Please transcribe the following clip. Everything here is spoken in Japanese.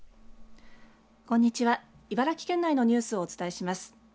こんにちは茨城県内のニュースをお伝えします。